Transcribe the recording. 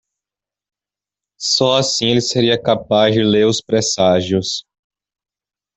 Só assim ele seria capaz de ler os presságios.